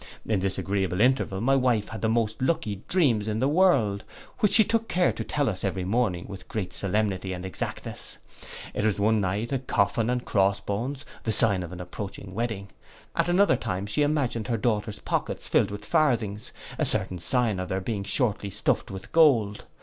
In this agreeable interval, my wife had the most lucky dreams in the world, which she took care to tell us every morning, with great solemnity and exactness. It was one night a coffin and cross bones, the sign of an approaching wedding: at another time she imagined her daughters' pockets filled with farthings, a certain sign of their being shortly stuffed with gold.